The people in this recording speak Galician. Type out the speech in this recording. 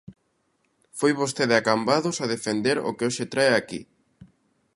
Foi vostede a Cambados a defender o que hoxe trae aquí.